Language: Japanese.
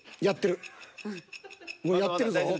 やってるぞ。